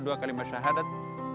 dua kalimat syahadat